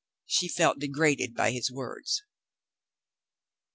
She felt degraded by his words.